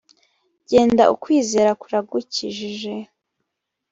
genda ukwizera kuragukijije